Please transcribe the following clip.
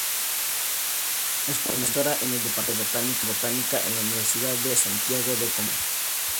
Es profesora en el departamento de Botánica, de la Universidad de Santiago de Compostela.